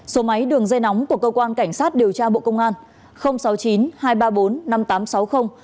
số máy đường dây nóng của cơ quan cảnh sát điều tra bộ công an